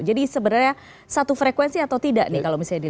jadi sebenarnya satu frekuensi atau tidak nih kalau misalnya dilihat